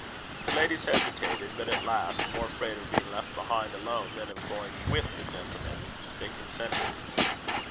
The ladies hesitated; but at last, more afraid of being left behind alone, than of going with the gentlemen, they consented.